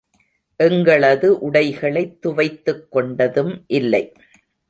எங்களது உடைகளைத் துவைத்துக் கொண்டதும் இல்லை.